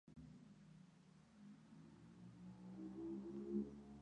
Es el padre del catedrático de la Universidad de La Coruña Luis Castedo Ribas.